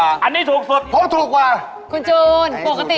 ขนมปังนี่เป็นสภาพฤติในกินหนมปังเยอะดี